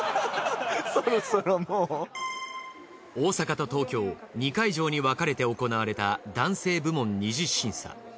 大阪と東京２会場に分かれて行われた男性部門二次審査。